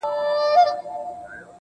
زما د زما د يار راته خبري کوه~